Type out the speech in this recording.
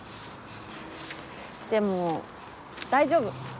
でも大丈夫。